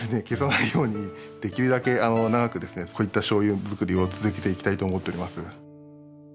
消さないようにできるだけ長くですねこういったしょうゆ造りを続けていきたいと思っております。